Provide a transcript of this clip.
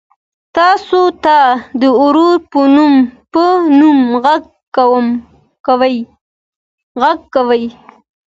تاسو ته د ورور په نوم غږ کوي.